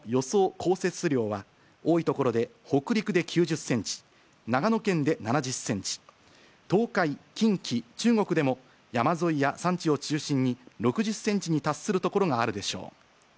降雪量は、多い所で北陸で９０センチ、長野県で７０センチ、東海、近畿、中国でも、山沿いや山地を中心に、６０センチに達する所があるでしょう。